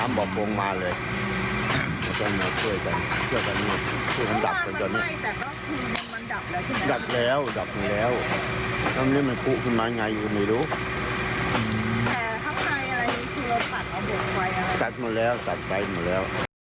ตัดมาแล้วตัดไปมาแล้ว